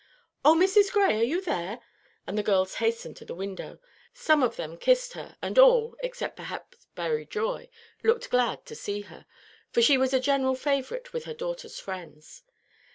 "Oh, Mrs. Gray, are you there?" and the girls hastened to the window. Some of them kissed her; and all, except perhaps Berry Joy, looked glad to see her, for she was a general favorite with her daughters' friends.